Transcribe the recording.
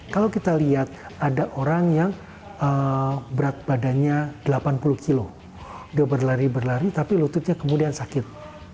kalau kita lihat ada orang yang berat badannya delapan puluh kilo dia berlari berlari tapi lututnya kemudian sakit